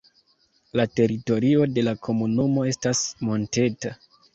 La teritorio de la komunumo estas monteta.